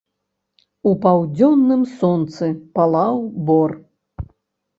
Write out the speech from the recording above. У паўдзённым сонцы палаў бор.